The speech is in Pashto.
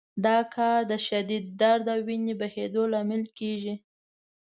دا کار د شدید درد او وینې بهېدو لامل کېږي.